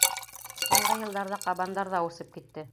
Һуңғы йылдарҙа ҡабандар ҙа үрсеп китте.